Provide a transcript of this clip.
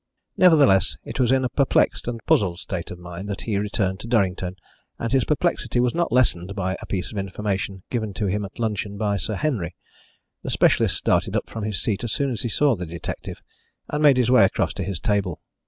Nevertheless, it was in a perplexed and puzzled state of mind that he returned to Durrington, and his perplexity was not lessened by a piece of information given to him at luncheon by Sir Henry. The specialist started up from his seat as soon as he saw the detective, and made his way across to his table.